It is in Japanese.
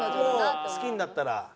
もう好きになったら。